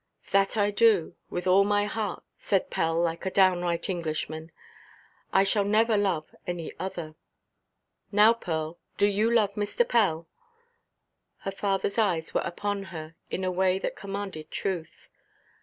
"That I do, with all my heart," said Pell, like a downright Englishman. "I shall never love any other." "Now, Pearl, do you love Mr. Pell?" Her fatherʼs eyes were upon her in a way that commanded truth.